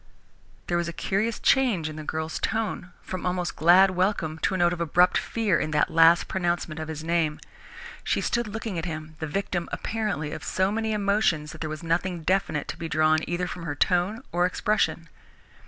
There was a curious change in the girl's tone, from almost glad welcome to a note of abrupt fear in that last pronouncement of his name. She stood looking at him, the victim, apparently, of so many emotions that there was nothing definite to be drawn either from her tone or expression.